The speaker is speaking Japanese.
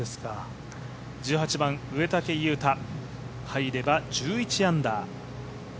１８番、植竹勇太、入れば１１アンダー。